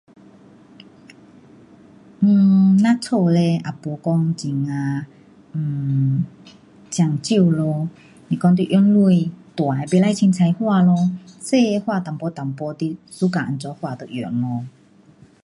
um 咱家嘞也没有很呀 um 讲究咯。是讲你用钱大的不可随便花咯。小的钱花一点一点你 suka 怎么花就用咯。